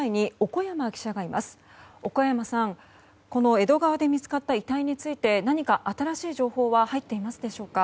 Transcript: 小古山さん、江戸川で見つかった遺体について何か新しい情報は入っていますでしょうか。